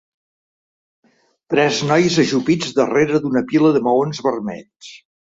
Tres nois ajupits darrere d'una pila de maons vermells.